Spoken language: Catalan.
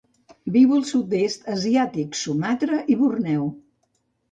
Viu al sud-est asiàtic, Sumatra i Borneo.